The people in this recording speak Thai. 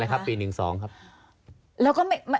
แล้วก็ไม่มีไม่มีให้เห็น